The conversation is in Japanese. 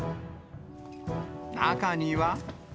中には。